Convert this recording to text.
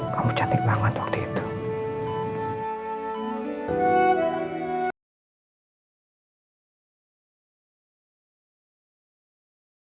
kamu cantik banget waktu itu